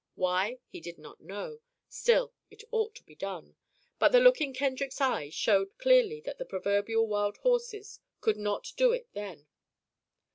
Why? He did not know. Still, it ought to be done. But the look in Kendrick's eyes showed clearly that the proverbial wild horses could not do it then.